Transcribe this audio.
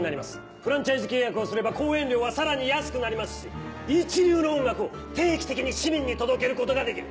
フランチャイズ契約をすれば公演料はさらに安くなりますし一流の音楽を定期的に市民に届けることができる。